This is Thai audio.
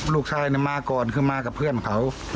ลูกชายมาก่อนคือมากับเพื่อนเขา